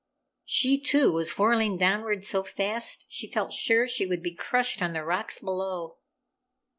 She, too, was whirling downward so fast she felt sure she would be crushed on the rocks below.